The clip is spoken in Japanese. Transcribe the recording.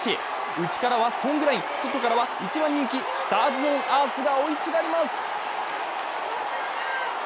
内からはソングライン、外からは１番人気、スターズオンアースが追いすがります。